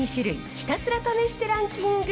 ひたすら試してランキング。